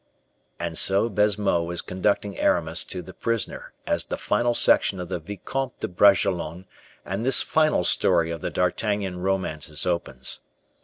And so Baisemeaux is conducting Aramis to the prisoner as the final section of The Vicomte de Bragelonne and this final story of the D'Artagnan Romances opens.